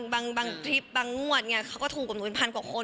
บางคลิปบางงวดเขาก็ถูกกับหนูเป็นพันกว่าคน